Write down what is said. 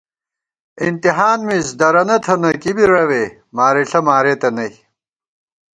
اِنتِہان مِز درَنہ تھنہ کِبی رَوے مارِݪہ مارېتہ نئ